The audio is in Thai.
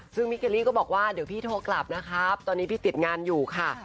ซึ่งมิเกลลี่ก็บอกว่าเดี๋ยวพี่โทรกลับนะครับตอนนี้พี่ติดงานอยู่ค่ะ